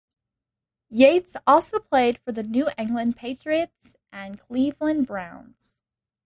Yates also played for the New England Patriots and Cleveland Browns.